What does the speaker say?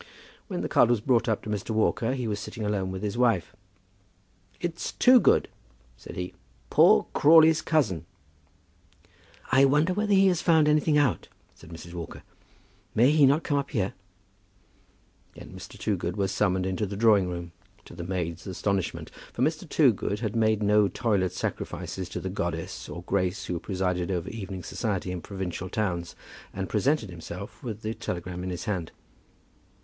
When the card was brought up to Mr. Walker he was sitting alone with his wife. "It's Toogood," said he; "poor Crawley's cousin." "I wonder whether he has found anything out," said Mrs. Walker. "May he not come up here?" Then Mr. Toogood was summoned into the drawing room, to the maid's astonishment; for Mr. Toogood had made no toilet sacrifices to the goddess or grace who presides over evening society in provincial towns, and presented himself with the telegram in his hand.